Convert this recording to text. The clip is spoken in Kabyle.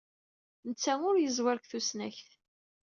Netta ur yeẓwir deg tusnakt.